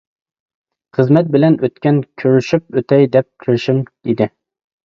خىزمەت بىلەن ئۆتكەن، كۆرۈشۈپ ئۆتەي دەپ كىرىشىم ئىدى.